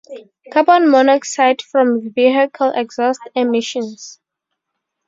Carbon monoxide from vehicle exhaust emissions.